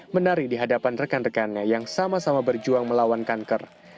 menari di hadapan rekan rekannya yang sama sama berjuang melawan kanker